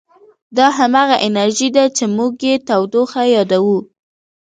دا همغه انرژي ده چې موږ یې تودوخه یادوو.